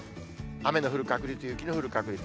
雨の降る確率、雪の降る確率。